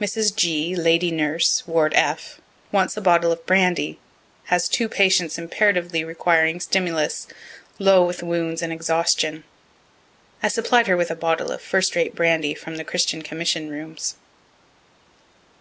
Mrs. G., lady nurse, ward F, wants a bottle of brandy has two patients imperatively requiring stimulus low with wounds and exhaustion. (I supplied her with a bottle of first rate brandy from the Christian commission rooms.)